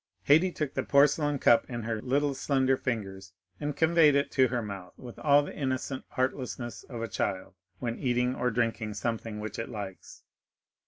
Haydée took the porcelain cup in her little slender fingers and conveyed it to her mouth with all the innocent artlessness of a child when eating or drinking something which it likes.